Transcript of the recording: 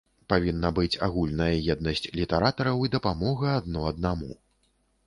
Павінна быць агульная еднасць літаратараў і дапамога адно аднаму.